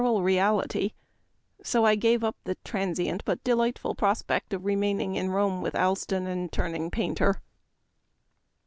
38 Memoir of Washington Irving. transient but delightful prospect of remaining in Rome with Allston and turning painter."